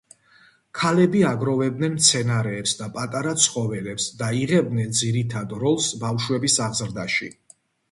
ქალები აგროვებდნენ მცენარეებს და პატარა ცხოველებს და იღებდნენ ძირითად როლს ბავშვების აღზრდაში.